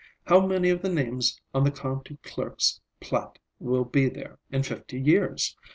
How many of the names on the county clerk's plat will be there in fifty years?